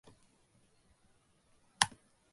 矛盾的自己同一的現在として自己自身を形成する世界から、